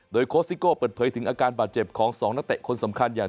โดยโค้ชซิโก้เปิดเผยถึงอาการบาดเจ็บของ๒นักเตะคนสำคัญอย่าง